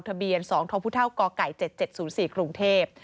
ทะเบียน๒ทพก๗๗๐๔กรุงเทพฯ